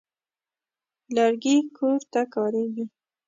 لرګي کور ته کارېږي.